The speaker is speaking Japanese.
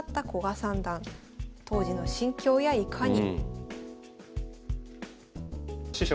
当時の心境やいかに。